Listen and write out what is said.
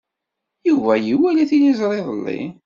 Yuba iwala tiliẓri iḍelli.